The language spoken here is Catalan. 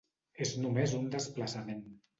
És només un desplaçament.